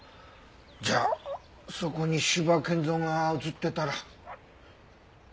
じゃあそこに斯波健三が映ってたら。